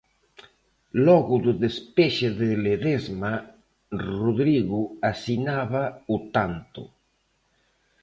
Logo do despexe de Ledesma, Rodrigo asinaba o tanto.